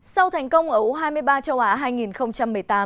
sau thành công ở u hai mươi ba châu á hai nghìn một mươi tám